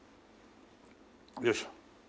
よいしょ。